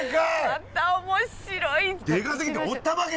また面白い。